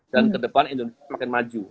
dan ke depan indonesia makin maju